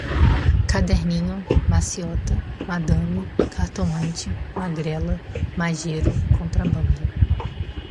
caderninho, maciota, madame, cartomante, magrela, majero, contrabando